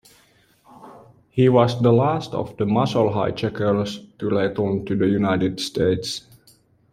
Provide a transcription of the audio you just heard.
He was the last of the muscle hijackers to return to the United States.